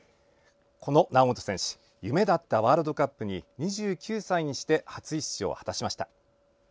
猶本選手は夢だったワールドカップに２９歳にして初出場を果たしました。